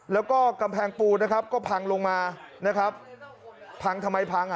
แล้วก็กำแพงปูนะครับก็พังลงมา